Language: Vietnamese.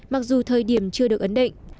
mặc dù thời điểm chưa được ấn định